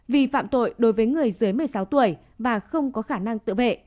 vi phạm tội đối với người dưới một mươi sáu tuổi và không có khả năng tự vệ